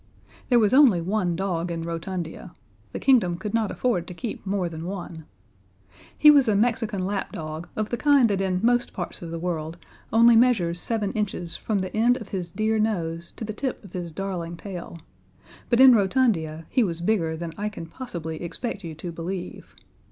There was only one dog in Rotundia the kingdom could not afford to keep more than one: He was a Mexican lapdog of the kind that in most parts of the world only measures seven inches from the end of his dear nose to the tip of his darling tail but in Rotundia he was bigger than I can possibly expect you to believe.